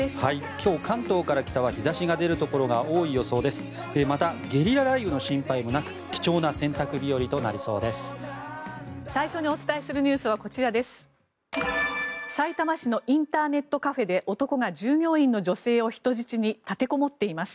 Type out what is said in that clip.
今日、関東から北は日差しが出るところが多い予想です。